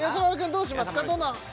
どれにしますか？